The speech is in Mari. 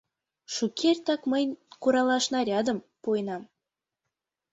Шукертак мый куралаш нарядым пуэнам.